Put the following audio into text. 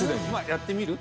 やってみる？